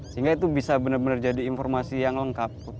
sehingga itu bisa benar benar jadi informasi yang lengkap